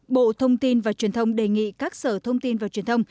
bộ thông tin và truyền thông đề nghị các sở thông tin và truyền thông